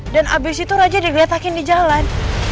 dan abis itu raja digeletakin di jalan